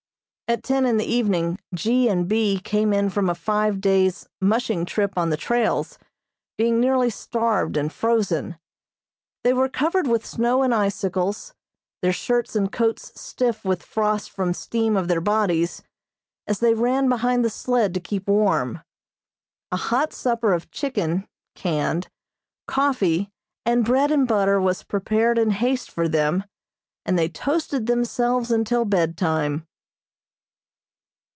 At ten in the evening G. and B. came in from a five days "mushing" trip on the trails, being nearly starved and frozen. They were covered with snow and icicles, their shirts and coats stiff with frost from steam of their bodies, as they ran behind the sled to keep warm. A hot supper of chicken (canned), coffee, and bread and butter was prepared in haste for them, and they toasted themselves until bedtime.